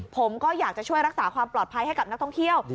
ผมก็อยากจะช่วยรักษาความปลอดภัยให้กับนักท่องเที่ยว